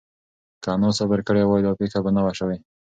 که انا صبر کړی وای، دا پېښه به نه وه شوې.